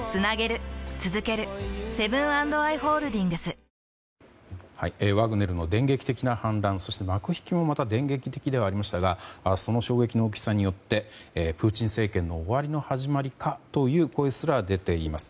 東京海上日動あんしん生命ワグネルの電撃的な反乱そして幕引きもまた電撃的ではありましたがその衝撃の大きさによってプーチン政権の終わりの始まりかという声すら出ています。